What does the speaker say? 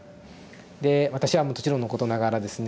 で私はもちろんのことながらですね